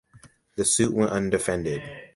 The suit went undefended.